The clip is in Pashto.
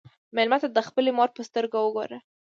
مېلمه ته د خپلې مور په سترګو وګوره.